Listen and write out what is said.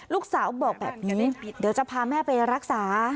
ลูกสาวบอกแบบนี้เดี๋ยวจะพาแม่ไปรักษา